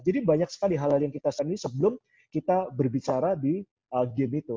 jadi banyak sekali hal hal yang kita sering sebelum kita berbicara di game itu